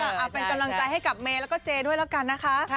เอาเป็นกำลังใจให้กับเมย์แล้วก็เจด้วยแล้วกันนะคะ